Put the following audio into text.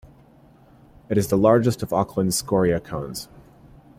It is the largest of Auckland's scoria cones.